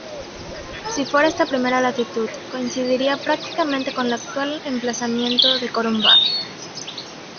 Si fuera esta primera latitud, coincidiría prácticamente con el actual emplazamiento de Corumbá.